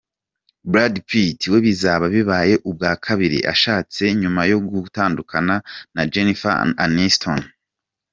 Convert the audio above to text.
Brad Pitt we bizaba bibaye ubwa kabiri ashatse, nyuma yo gutandukana na Jennifer Aniston.